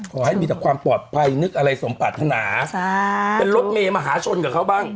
ขอให้มีแต่ความปลอดภัยนึกอะไรสมปรารถนาเป็นรถเมย์มหาชนกับเขาบ้าง